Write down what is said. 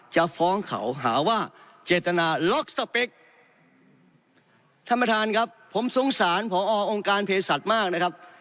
จะฟ้องเขาหาว่าเจตนาล็อกสเปคท่านประธานครับผมสงสารพอองค์การเพศสัตว์มากนะครับ